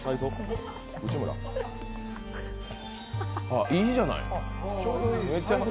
ああ、いいじゃない。